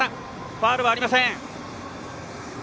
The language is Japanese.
ファウルがありません。